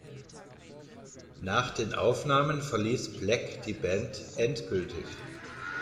Nach den Aufnahmen verließ Black die Band endgültig.